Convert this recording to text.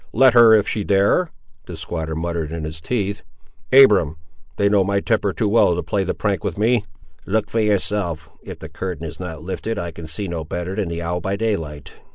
"Let her, if she dare!" the squatter muttered in his teeth. "Abiram; they know my temper too well to play the prank with me!" "Look for yourself! if the curtain is not lifted, I can see no better than the owl by daylight."